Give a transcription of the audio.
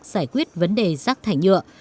giải quyết vấn đề rắc thải nhựa